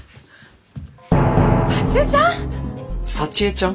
幸江ちゃん！？